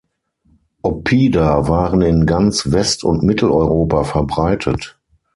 Oppida waren in ganz West- und Mitteleuropa verbreitet.